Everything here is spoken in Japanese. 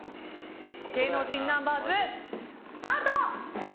芸能人ナンバーズ、スタート！